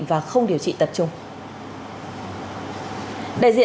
và không điều trị tập trung